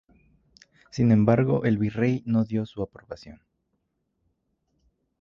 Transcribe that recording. Sin embargo, el virrey no dio su aprobación.